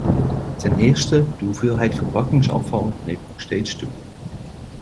Ten eerste, de hoeveelheid verpakkingsafval neemt nog steeds toe.